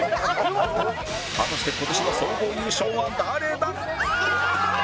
果たして今年の総合優勝は誰だ？